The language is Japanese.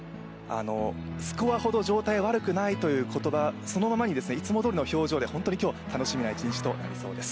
スコアほど状態悪くないという言葉そのままにいつもどおりの表情で本当に今日、楽しみな一日となりそうです。